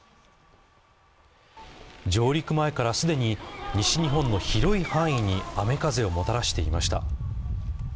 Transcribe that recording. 上陸前から既に、西日本の広い範囲に雨風をもたらしていました。